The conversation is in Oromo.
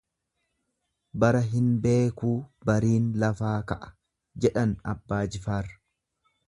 Bara hin beekuu bariin lafaa ka'a jedhan Abbaa Jifaar.